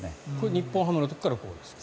日本ハムの時からこうですか？